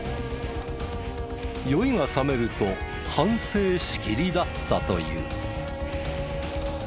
酔いが冷めると反省しきりだったという。